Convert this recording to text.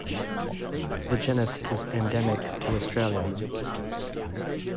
The genus is endemic to Australia.